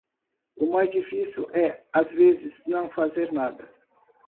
O mais difícil é, às vezes, não fazer nada.